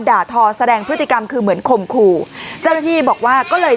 ทอแสดงพฤติกรรมคือเหมือนข่มขู่เจ้าหน้าที่บอกว่าก็เลย